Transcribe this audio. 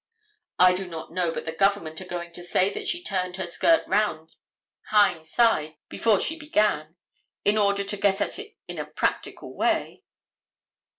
I do not know but the government are going to say that she turned her skirt round hind side before, before she began, in order to get at it in a practical way.